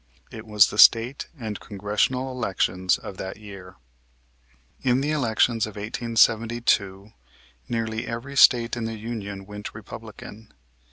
It was the State and Congressional elections of that year. In the elections of 1872 nearly every State in the Union went Republican.